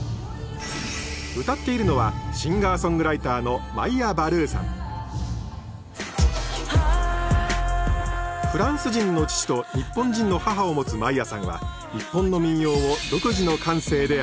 歌っているのはシンガーソングライターのマイア・バルーさんフランス人の父と日本人の母を持つマイアさんは日本の民謡を独自の感性でアレンジ。